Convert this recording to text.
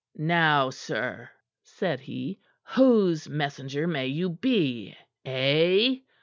"Now, sir," said he, "whose messenger may you be, eh?